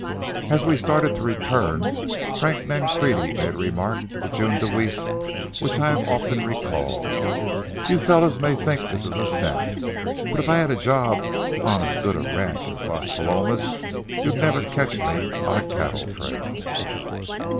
As we started to return Frank Nancrede made a remark to June Deweese which I have often recalled: "You fellows may think this is a snap; but if I had a job on as good a ranch as Las Palomas, you'd never catch me on a cattle trail."